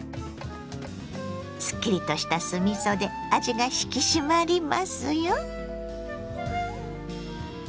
すっきりとした酢みそで味が引き締まりますよ。